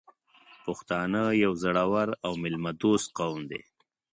پښتانه یو زړور او میلمه دوست قوم دی .